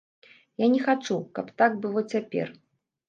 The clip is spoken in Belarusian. Я не хачу, каб так было цяпер.